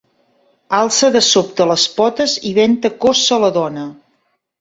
...alça de sobte les potes i venta cossa a la dona.